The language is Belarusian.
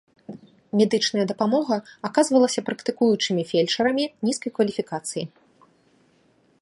Медычная дапамога аказвалася практыкуючымі фельчарамі нізкай кваліфікацыі.